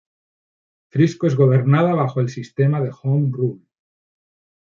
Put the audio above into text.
Frisco es gobernada bajo el sistema de "Home Rule".